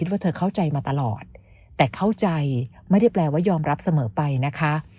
ว่าเธอเข้าใจมาตลอดแต่เข้าใจไม่ได้แปลว่ายอมรับเสมอไปนะคะ